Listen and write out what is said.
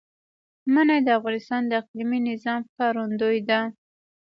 منی د افغانستان د اقلیمي نظام ښکارندوی ده.